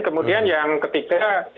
kemudian yang ketiga